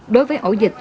đối với ổ dịch